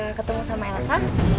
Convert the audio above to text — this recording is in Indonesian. bisa ketemu sama elsa